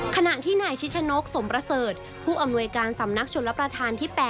ขณะที่นายชิชนกสมประเสริฐผู้อำนวยการสำนักชนรับประทานที่๘